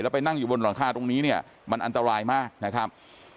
ไปนั่งอยู่บนหลังคาตรงนี้เนี่ยมันอันตรายมากนะครับ